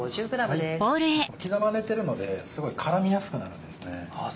これ刻まれてるのですごい絡みやすくなるんですね。